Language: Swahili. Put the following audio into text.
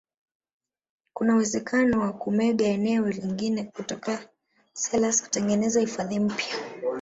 kuna uwezekano wa kumega eneo lingine kutoka selous kutengeneza hifadhi mpya